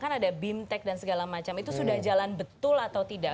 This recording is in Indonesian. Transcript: kan ada bimtek dan segala macam itu sudah jalan betul atau tidak